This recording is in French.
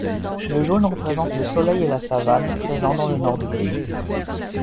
Le jaune représente le soleil et la savane présents dans le nord du pays.